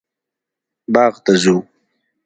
باغ ته ځو